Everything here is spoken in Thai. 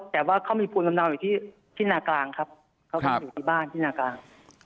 แต่ว่าเขามีภูมิลำเนาอยู่ที่นากลางครับเขาก็อยู่ที่บ้านที่นากลาง